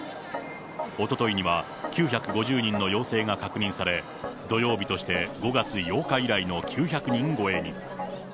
おとといには９５０人の陽性が確認され、土曜日として５月８日以来の９００人超えに。